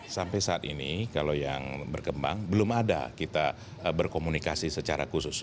sampai saat ini kalau yang berkembang belum ada kita berkomunikasi secara khusus